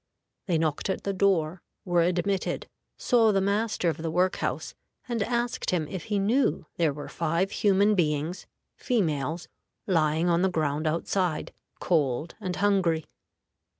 They knocked at the door, were admitted, saw the master of the work house, and asked him if he knew there were five human beings females lying on the ground outside, cold and hungry.